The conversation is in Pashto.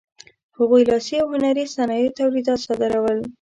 هغوی لاسي او هنري صنایعو تولیدات صادرول.